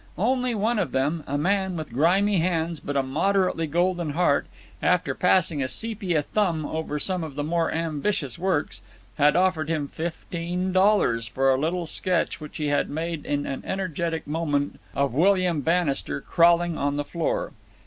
Only one of them, a man with grimy hands but a moderately golden heart, after passing a sepia thumb over some of the more ambitious works, had offered him fifteen dollars for a little sketch which he had made in an energetic moment of William Bannister crawling on the floor.